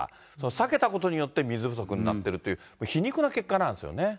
避けたことによって水不足になってるという、皮肉な結果なんですよね。